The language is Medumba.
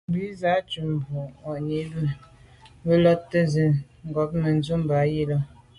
Bìn à’ sə̌’ njən mbu’ŋwà’nǐ mì bə̂ bo lô’ nzi’tə ncob Mə̀dʉ̂mbὰ yi lα.